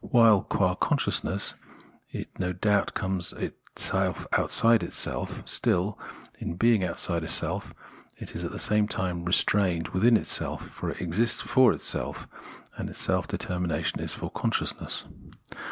While qua consciousness, it no doubt comes outside itself, still, in being outside itself it is at the same time restrained within itself, it exists for itself, and its self externahsation is for consciousness.